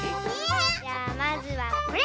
じゃあまずはこれ！